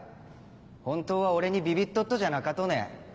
本当は俺にビビっとっとじゃなかとね？